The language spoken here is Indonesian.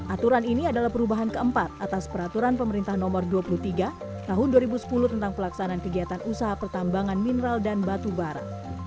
aturan ini adalah perubahan keempat atas peraturan pemerintah nomor dua puluh tiga tahun dua ribu sepuluh tentang pelaksanaan kegiatan usaha pertambangan mineral dan batu bara